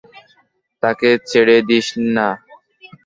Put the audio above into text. তাকে ছেড়ে দিস না।